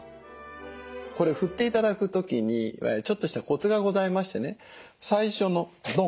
これ振って頂く時にちょっとしたコツがございましてね最初のドン！